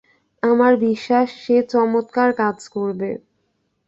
আমার বিশ্বাস, সে চমৎকার কাজ করবে।